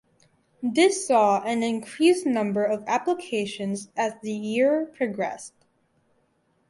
This saw an increased number of applications as the year progressed.